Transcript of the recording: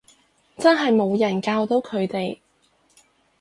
真係冇人教到佢哋